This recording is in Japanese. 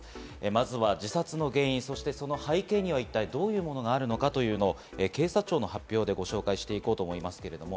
まずは自殺の原因、そしてその背景にはどういうものがあるのか、警察庁の発表でご紹介して行こうと思いますけれども。